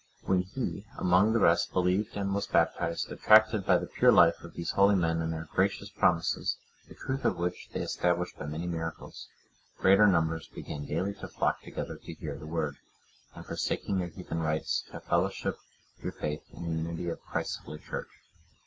When he, among the rest, believed and was baptized, attracted by the pure life of these holy men and their gracious promises, the truth of which they established by many miracles, greater numbers began daily to flock together to hear the Word, and, forsaking their heathen rites, to have fellowship, through faith, in the unity of Christ's Holy Church.